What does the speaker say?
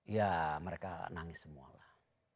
ya mereka nangis semua lah